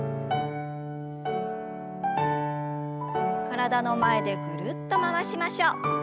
体の前でぐるっと回しましょう。